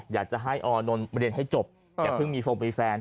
อยากจะให้ออนอนมันเรียนให้จบแกเพิ่งมีฟองมีแฟน